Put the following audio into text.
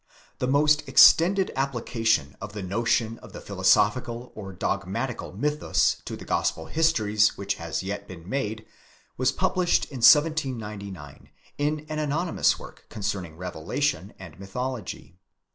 The most extended application of the notion of the philosophical or dogmatical mythus to the Gospel histories which has yet been made, was published in 1799 in an anonymous work concerning Revelation and My thology.